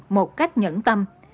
một cách nhẫn tâm